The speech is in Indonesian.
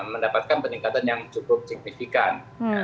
mendapatkan peningkatan yang cukup signifikan